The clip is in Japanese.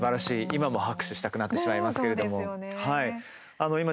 今も拍手したくなってしまいますけれども。